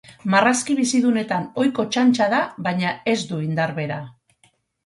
Marrazki bizidunetan ohiko txantxa da baina ez du indar bera.